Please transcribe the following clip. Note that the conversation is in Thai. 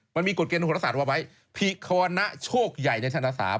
มันมีกฎเกณฑ์โทษศาสตร์ว่าไหมภิควณะโชคใหญ่ในชาติศาสตร์